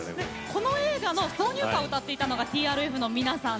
この映画の挿入歌を歌っていたのがＴＲＦの皆さん。